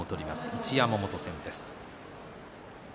一山本戦です。